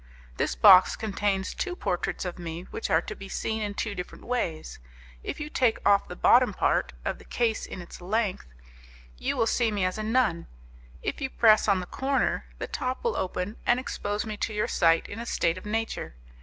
This box contains two portraits of me, which are to be seen in two different ways: if you take off the bottom part, of the case in its length, you will see me as a nun; and if you press on the corner, the top will open and expose me to your sight in a state of nature.